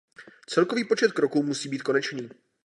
Celkový počet kroků musí být konečný.